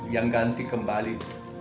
yang ganti kembali